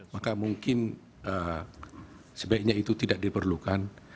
maka mungkin sebaiknya itu tidak diperlukan